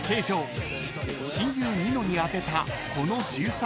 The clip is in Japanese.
［親友ニノに宛てたこの１３文字は］